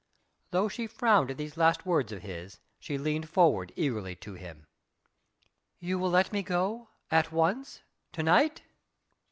Though she frowned at these last words of his, she leaned forward eagerly to him. "You will let me go ... at once ... to night?"